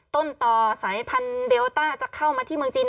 ต้นต่อสายพันธุ์เดลต้าจะเข้ามาที่เมืองจีน